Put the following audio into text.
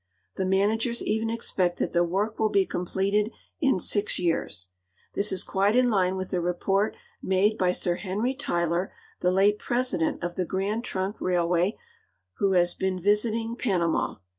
The managers even expect that the work will be completed in six years. This is (juite in line with the report maile by Sir Henry Tyler, the late president of the Grand Trunk railway, who has been visit ' ing Panama.